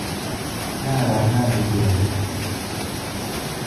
น่ารักน่าเอ็นดู